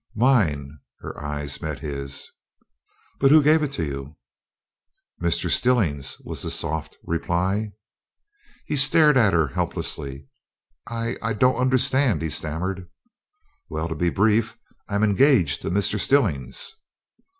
"Mine " her eyes met his. "But who gave it to you?" "Mr. Stillings," was the soft reply. He stared at her helplessly. "I I don't understand!" he stammered. "Well, to be brief, I'm engaged to Mr. Stillings."